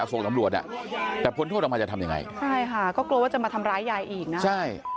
ก็กลัวว่าจะมาทำร้ายยายอีกนะ